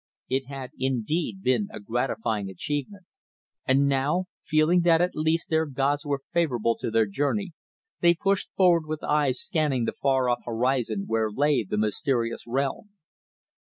It had indeed been a gratifying achievement, and now, feeling that at least their gods were favourable to their journey, they pushed forward with eyes scanning the far off horizon where lay the mysterious realm.